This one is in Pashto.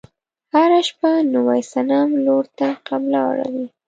هره شپه نوي صنم لور ته قبله اوړي.